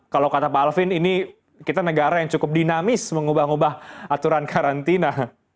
kalau kata pak alvin ini kita negara yang cukup dinamis mengubah ubah aturan karantina